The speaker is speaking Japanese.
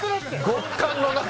「極寒の中」